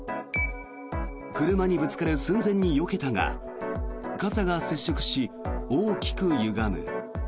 車にぶつかる寸前によけたが傘が接触し、大きくゆがむ。